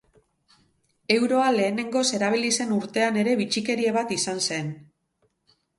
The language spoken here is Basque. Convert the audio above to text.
Euroa lehenengoz erabili zen urtean ere bitxikeria bat izan zen.